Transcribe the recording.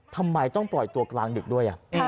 ทำไมต้องปล่อยตัวกลางดึกด้วย